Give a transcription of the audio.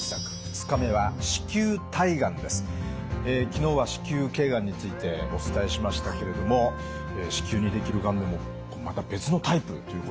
昨日は子宮頸がんについてお伝えしましたけれども子宮にできるがんでもまた別のタイプということなんですね。